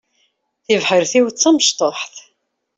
Tibḥirt-iw d tamecṭuḥt.